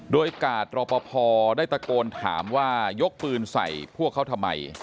โดยกาดรอปภได้ตะโกนถามว่ายกปืนใส่พวกเขาทำไม